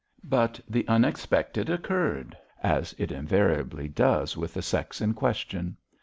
But the unexpected occurred, as it invariably does with the sex in question.